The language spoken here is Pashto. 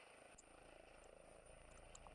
خوب د مور د زوی دعا ده